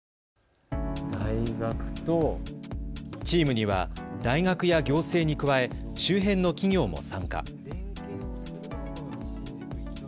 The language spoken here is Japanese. チームには大学や行政に加え周辺の企業も参加。